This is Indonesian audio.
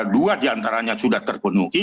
dua diantaranya sudah terpenuhi